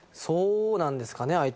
そうなんですかね